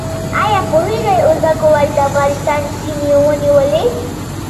ایا پوهیږئ ازبکو ولې د افغانستان سیمې ونیولې؟